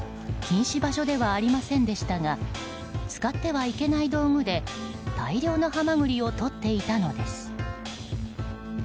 禁止場所ではありませんでしたが使ってはいけない道具で大量のハマグリをとっていたのです。